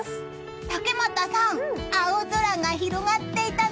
竹俣さん、青空が広がっていたね。